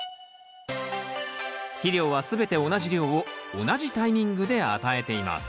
肥料はすべて同じ量を同じタイミングで与えています。